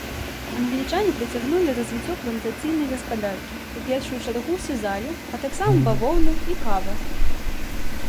Англічане працягнулі развіццё плантацыйнай гаспадаркі, у першую чаргу сізалю, а таксама бавоўны і кава.